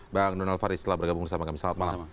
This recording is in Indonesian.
bang donald faris telah bergabung bersama kami selamat malam